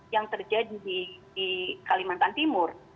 yang terjadi di kalimantan timur